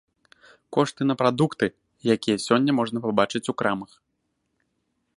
Кошты на прадукты, якія сёння можна пабачыць у крамах.